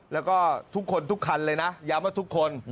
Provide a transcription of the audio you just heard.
แล้วก็ทุกคนทุกคันเลยนะย้ำว่าทุกคน